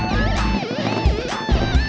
ketika menjemput kode lemari